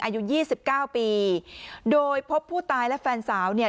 อายุยี่สิบเก้าปีโดยพบผู้ตายและแฟนสาวเนี่ย